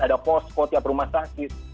ada posko tiap rumah sakit